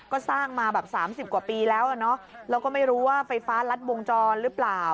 ก็สร้างมาแบบ๓๐กว่าปีแล้วแล้วก็ไม่รู้ว่าไฟฟ้ารัดบวงจรหรือเปล่า